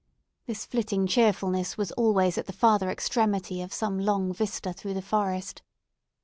This flitting cheerfulness was always at the further extremity of some long vista through the forest.